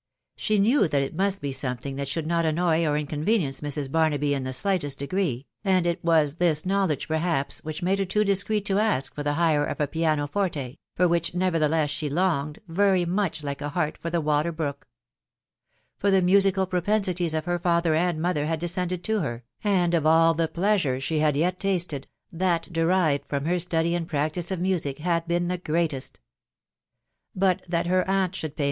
She knew that it must be something that should not annoy or inconvenience Mrs. Barnaby in the slightest degree, and it was this knowledge, perhaps, which made bar too discreet to ask for the hire of a piano forte, far which, nevertheless, she longed, very much like a hart for the water brook ; for the musical propensities af her father and mother had descended to her, and of all the pleasures she had yet tasted, that derived from her study and .practice of music nasi been the greatest. But that her aunt should pay